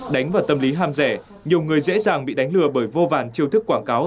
đánh vào tâm lý ham rẻ nhiều người dễ dàng bị đánh lừa bởi vô vàn chiêu thức quảng cáo